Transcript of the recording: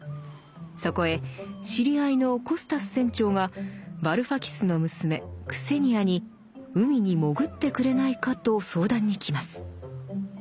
そこへ知り合いのコスタス船長がバルファキスの娘クセニアに海に潜ってくれないかと相談に来ます。